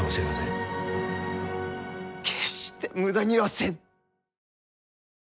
決して無駄にはせぬ！